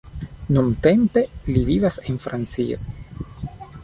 Nuntempe li vivas en Francio.